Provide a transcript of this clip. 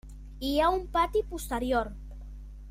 Hi ha un pati posterior.